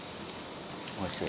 おいしい？